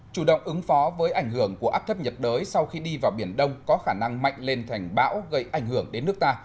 chủ động ứng phó với ảnh hưởng của áp thấp nhiệt đới sau khi đi vào biển đông có khả năng mạnh lên thành bão gây ảnh hưởng đến nước ta